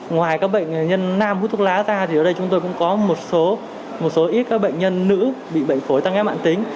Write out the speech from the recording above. ngoài các bệnh nhân nam hút thuốc lá ra thì ở đây chúng tôi cũng có một số ít các bệnh nhân nữ bị bệnh phối tăng em mạng tính